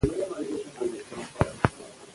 افغانستان د قومونه له پلوه متنوع دی.